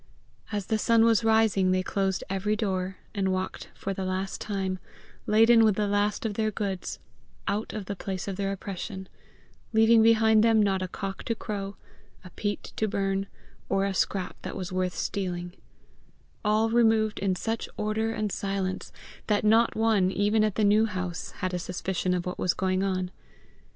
As the sun was rising they closed every door, and walked for the last time, laden with the last of their goods, out of the place of their oppression, leaving behind them not a cock to crow, a peat to burn, or a scrap that was worth stealing all removed in such order and silence that not one, even at the New House, had a suspicion of what was going on.